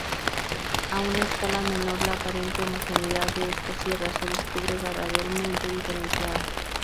A una escala menor, la aparente homogeneidad de esta Sierra se descubre gradualmente diferenciada.